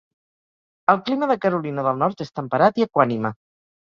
El clima de Carolina del Nord és temperat i equànime.